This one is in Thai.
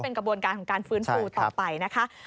เป็นกระบวนการของการฟื้นฟูต่อไปนะคะ